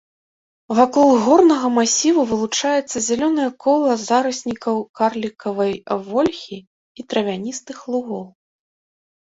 Вакол горнага масіву вылучаецца зялёнае кола зараснікаў карлікавай вольхі і травяністых лугоў.